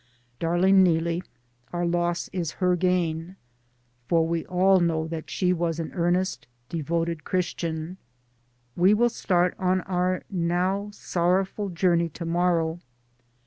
Darling Neelie, our loss is her gain, for we all know that she was an earnest, de voted Christian. We will start on our now sorrowful journey to morrow.